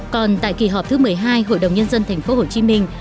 còn tại kỳ họp thứ một mươi hai hội đồng nhân dân thành phố hồ chí minh